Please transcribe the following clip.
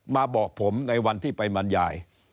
มาบอกผมในวันที่ไปบรรยาย